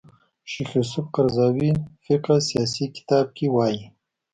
شیخ یوسف قرضاوي فقه سیاسي کتاب کې وايي